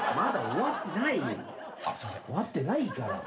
終わってないから。